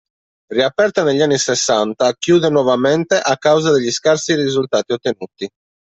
Riaperta negli anni sessanta, chiude nuovamente a causa degli scarsi risultati ottenuti.